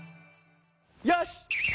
よし！